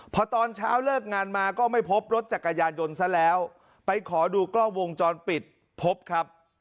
พอตอนเช้าเลิกงานมาก็ไม่พบรถจักรยานยนต์ซะแล้วไปขอดูกล้องวงจรปิดพบครับ